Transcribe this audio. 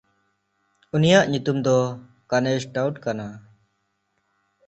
ᱩᱱᱤᱭᱟᱜ ᱧᱩᱛᱩᱢ ᱫᱚ ᱠᱟᱱᱮᱥᱴᱟᱩᱴ ᱠᱟᱱᱟ᱾